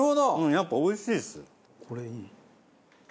やっぱおいしいです。